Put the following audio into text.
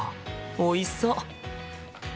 おいしそう！